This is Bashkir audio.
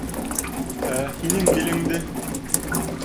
Ә һинең билеңде...